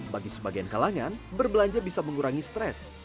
bagi sebagian kalangan berbelanja bisa mengurangi stres